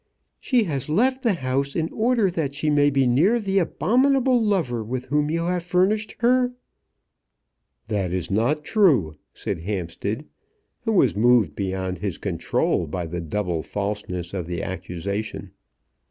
"She has left the house in order that she may be near the abominable lover with whom you have furnished her." "This is not true," said Hampstead, who was moved beyond his control by the double falseness of the accusation.